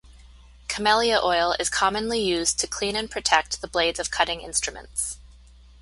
Camellia oil is commonly used to clean and protect the blades of cutting instruments.